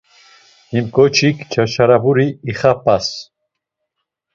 Him ǩoçik çaçaraburi ixap̌as.